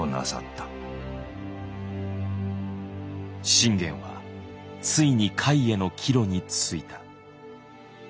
信玄はついに甲斐への帰路についた。